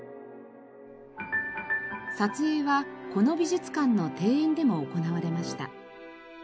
撮影はこの美術館の庭園でも行われました。